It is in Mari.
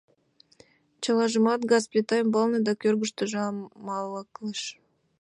Чылажымат газ плита ӱмбалне да кӧргыштыжӧ амалкалыш.